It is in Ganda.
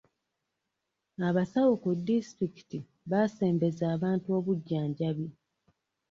Abasawo ku disitulikiti baasembeza abantu obujjanjabi.